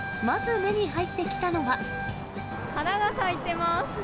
花が咲いてます。